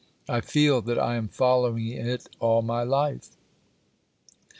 I feel that I am following it all my life.